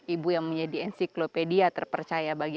ibu yang menjadi ensiklopedia terpercaya bagi ibu